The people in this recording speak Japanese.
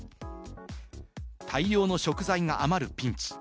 大量の食材が余るピンチ。